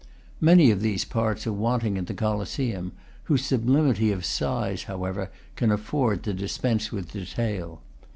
Many of these parts are wanting in the Colosseum, whose sublimity of size, however, can afford to dispense with detail.